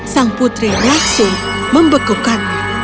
sang putri langsung membekukannya